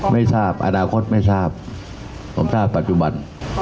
ไม่ทราบอนาคตไม่ทราบผมทราบปัจจุบัน